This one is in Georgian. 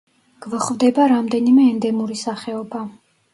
გვხვდება რამდენიმე ენდემური სახეობა.